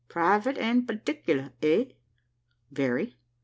"Private and particular, eh?" "Very."